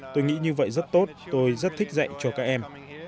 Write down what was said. tôi nghĩ như vậy rất tốt tôi rất thích dạy cho các em